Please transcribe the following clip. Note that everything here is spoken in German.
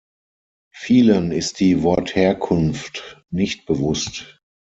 Vielen ist die Wortherkunft nicht bewusst.